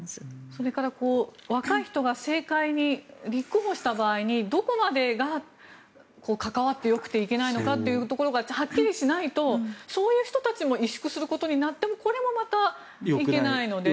それから、若い人が政界に立候補した場合にどこまでが関わってよくていけないのかというところがはっきりしないとそういう人たちも萎縮することになってもこれもまたいけないので。